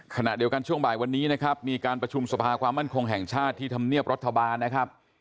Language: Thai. ขณะเดียวกันช่วงบ่ายวันนี้นะครับมีการประชุมสภาความมั่นคงแห่งชาติที่ธรรมเนียบรัฐบาลนะครับ